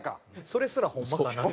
それすらホンマかな？